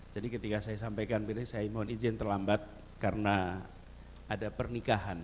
jadi ketika saya sampaikan pilih saya mohon izin terlambat karena ada pernikahan